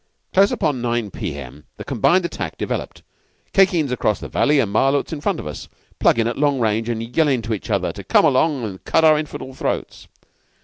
Close upon 9 p.m. the combined attack developed; Khye Kheens across the valley, and Malôts in front of us, pluggin' at long range and yellin' to each other to come along and cut our infidel throats.